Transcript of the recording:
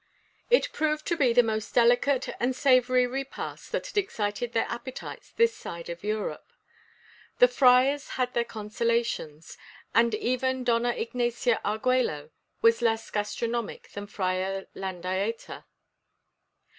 VII It proved to be the most delicate and savory repast that had excited their appetites this side of Europe. The friars had their consolations, and even Dona Ignacia Arguello was less gastronomic than Father Landaeta.